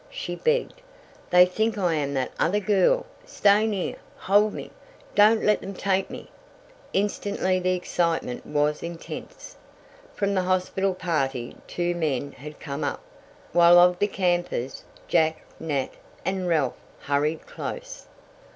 she begged. "They think I am that other girl! Stay near! Hold me! Don't let them take me!" Instantly the excitement was intense. From the hospital party two men had come up, while of the campers, Jack, Nat and Ralph hurried close.